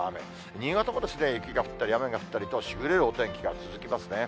新潟も雪が降ったり、雨が降ったりとしぐれるお天気が続きますね。